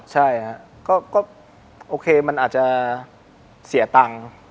ใช่ครับก็โอเคมันอาจจะเสียตังค์